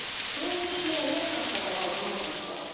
共演してやりやすかった方はどなたですか？